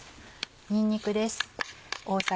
にんにくです。